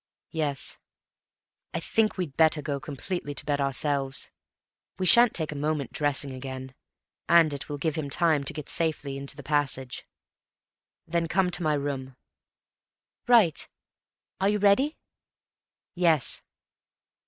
"Yes.... I think we'd better go completely to bed ourselves. We shan't take a moment dressing again, and it will give him time to get safely into the passage. Then come into my room." "Right.... Are you ready?" "Yes."